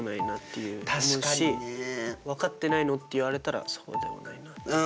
そう思うし分かってないのっていわれたらそうでもないなっていう。